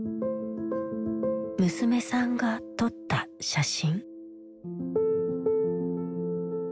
娘さんが撮った写真。